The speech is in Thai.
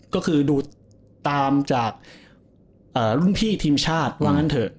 ก็คือดูตามจากรุ่นพี่ทีมชาติว่างั้นเถอะ